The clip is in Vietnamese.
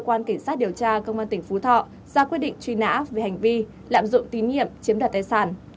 cơ quan kiểm soát điều tra công an huyện lâm thao đã bắt được hương ra quyết định truy nã về hành vi lạm dụng tín nhiệm chiếm đặt tài sản